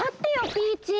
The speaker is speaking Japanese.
ピーチー！